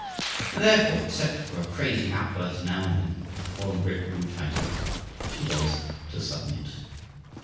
And therefore, except for a crazy outburst now and then as the foreign grip grew tighter, she was to submit.